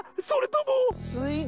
それとも。